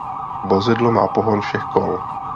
Vozidlo má pohon všech kol.